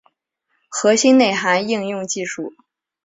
核心内涵应用技术